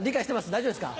大丈夫ですか？